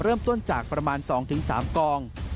เริ่มต้นจากประมาณ๒๓กอง